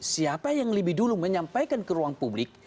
siapa yang lebih dulu menyampaikan ke ruang publik